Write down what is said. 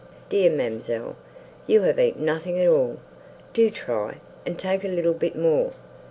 "Dear ma'amselle, you have eat nothing at all! Do try, and take a little bit more.